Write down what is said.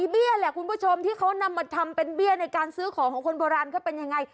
เบี้ยแหละคุณผู้ชมที่เขานำมาทำเป็นเบี้ยในการซื้อของของคนโบราณเขาเป็นยังไง